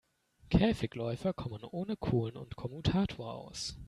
Käfigläufer kommen ohne Kohlen und Kommutator aus.